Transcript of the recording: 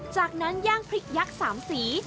จากนั้นย่างพริกยักษ์๓สี